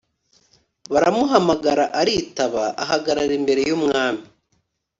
Baramuhamagara aritaba, ahagarara imbere y’umwami.